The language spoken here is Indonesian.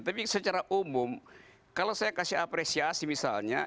tapi secara umum kalau saya kasih apresiasi misalnya